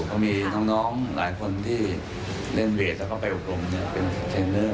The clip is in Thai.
ก็มีน้องหลายคนที่เล่นเวทแล้วก็ไปอบรมเป็นเทรนเนอร์